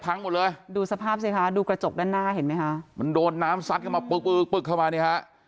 หมดเลยดูสภาพสิคะดูกระจกด้านหน้าเห็นไหมคะมันโดนน้ำซัดเข้ามาปึ๊กปึ๊กปึ๊กเข้ามานี่ฮะ